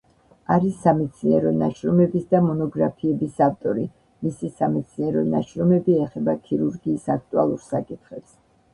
არის სამეცნიერო ნაშრომების და მონოგრაფიების ავტორი, მისი სამეცნიერო ნაშრომები ეხება ქირურგიის აქტუალურ საკითხებს.